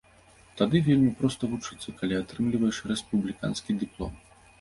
Тады вельмі проста вучыцца, калі атрымліваеш рэспубліканскі дыплом.